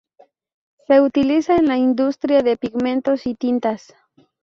Se utiliza en la industria de pigmentos y tintas.